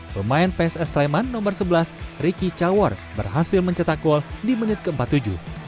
pemain pss leman nomor sebelas ricky chawar berhasil mencetak gol di menit keempat tujuh